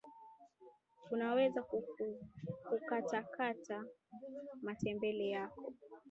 unaweza kukatakata matembele yako